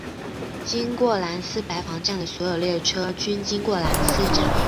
经过兰斯白房站的所有列车均经过兰斯站。